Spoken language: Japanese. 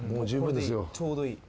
ちょうどいい。